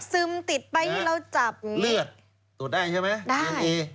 ซึมติดไปและเราจับแก็